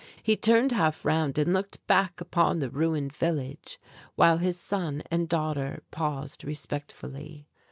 He turned half round and looked back upon the ruined village, while his son and daughter paused respectfully.